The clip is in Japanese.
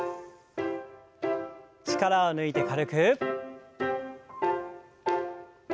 力を抜いて軽く。